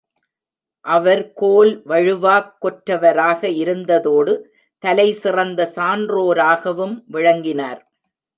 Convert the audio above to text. அவர் கோல் வழுவாக் கொற்றவராக இருந்ததோடு தலை சிறந்த சான்றோராகவும் விளங்கினார்.